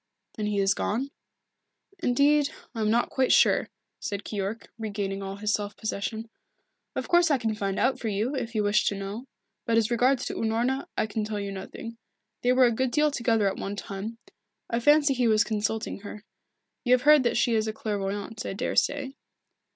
"Then he is gone?" "Indeed, I am not quite sure," said Keyork, regaining all his self possession. "Of course I can find out for you, if you wish to know. But as regards Unorna, I can tell you nothing. They were a good deal together at one time. I fancy he was consulting her. You have heard that she is a clairvoyant, I daresay."